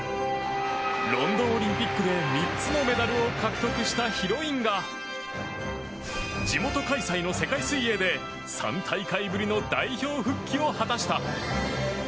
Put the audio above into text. ロンドンオリンピックで３つのメダルを獲得したヒロインが地元開催の世界水泳で３大会ぶりの代表復帰を果たした。